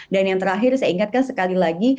dan yang terakhir saya ingatkan sekali lagi